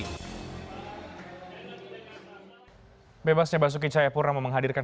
bebasnya basuki cahaya purnama menghadirkan sejumlah kemampuan untuk memperoleh kembali dengan keluarga